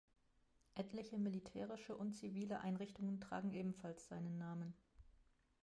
Etliche militärische und zivile Einrichtungen tragen ebenfalls seinen Namen.